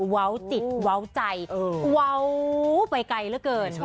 เว้าจิตเว้าใจเว้าไปไกลแล้วเกิน